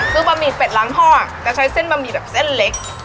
คือบะหมี่เป็ดล้างท่อจะใช้เส้นบะหมี่แบบเส้นเล็ก